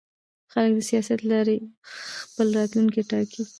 خلک د سیاست له لارې خپل راتلونکی ټاکي